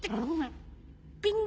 ピン！